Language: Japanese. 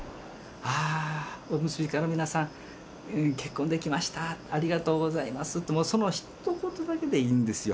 ああ、お結び課の皆さん、結婚できました、ありがとうございますって、そのひと言だけでいいんですよ。